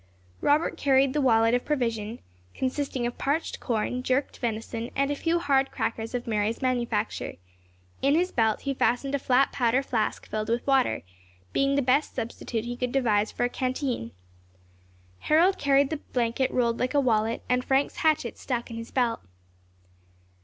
Robert carried the wallet of provision, consisting of parched corn, jerked venison, and a few hard crackers of Mary's manufacture; in his belt he fastened a flat powder flask filled with water, being the best substitute he could devise for a canteen. Harold carried the blanket rolled like a wallet, and Frank's hatchet stuck in his belt.